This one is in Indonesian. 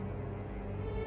aku paman mereka